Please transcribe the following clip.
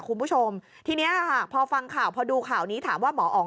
คุณผู้ชมทีนี้ค่ะพอฟังข่าวพอดูข่าวนี้ถามว่าหมออ๋อง